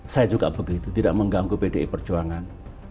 saya juga begitu tidak mengganggu pdi perjuangan